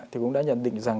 thì cũng đã nhận định rằng